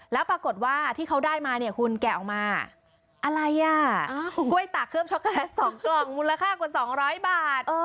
แล้วปรากฏว่าที่เขาได้มาเนี่ยคุณแกะออกมาอะไรอ่ะกล้วยตากเครื่องช็อกโกแลต๒กล่องมูลค่ากว่า๒๐๐บาท